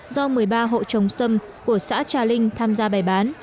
do một mươi ba hộ trồng sâm của xã trà linh tham gia bày bán